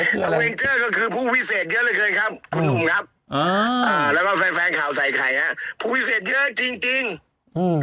แล้วก็แฟนแฟนข่าวใส่ใครฮะผู้วิเศษเยอะจริงจริงอืม